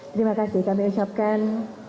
terima kasih kami ucapkan